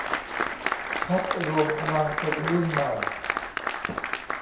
พรรครวมพลังคนรุ่นใหม่